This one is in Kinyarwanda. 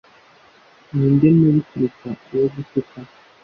Ninde mubi kuruta uwo gutuka